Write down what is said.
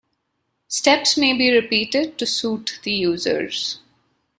Steps may be repeated to suit the users.